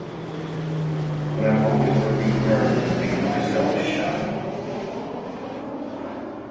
But I’m always working hard to make myself shine!